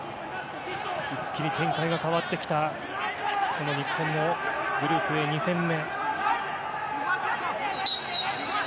一気に展開が変わってきた日本のグループＡ、２戦目。